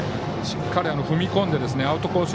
しっかり踏み込んでアウトコース